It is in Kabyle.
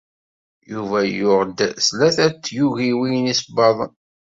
Yuba yuɣ-d tlata tyugiwin isebbaḍen.